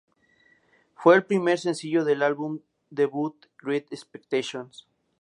Fue el primer sencillo de su álbum debut Great Expectations.